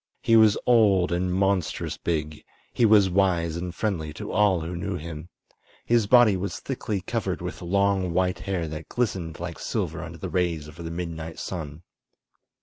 He was old and monstrous big; he was wise and friendly to all who knew him. His body was thickly covered with long, white hair that glistened like silver under the rays of the midnight sun.